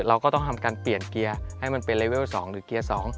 เราก็ต้องทำการเปลี่ยนเกียร์ให้มันเป็นเลเวล๒หรือเกียร์๒